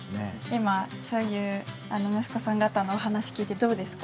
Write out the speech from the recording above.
今そういう息子さん方のお話聞いてどうですか？